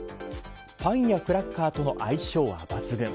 パンやクラッカーとの相性は抜群。